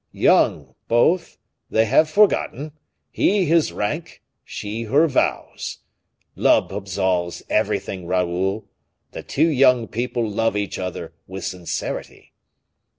Young, both, they have forgotten, he his rank, she her vows. Love absolves everything, Raoul. The two young people love each other with sincerity."